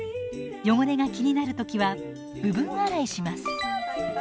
汚れが気になる時は部分洗いします。